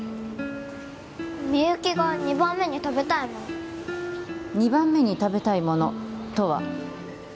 みゆきが２番目に食べたいもの２番目に食べたいものとは？